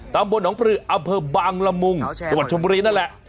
ตำบลหนองปลืออำเภอบางละมุงจังหวัดชมบุรีนั่นแหละ